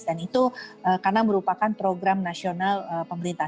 dan itu karena merupakan program nasional pemerintah